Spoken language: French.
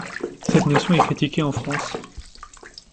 Cette notion est critiquée en France.